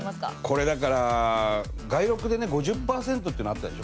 これだから街録で５０パーセントっていうのあったでしょ。